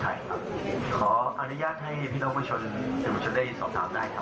ขออนุญาตให้ผู้ชมได้สอบถามได้ครับ